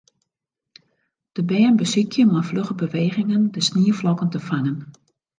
De bern besykje mei flugge bewegingen de snieflokken te fangen.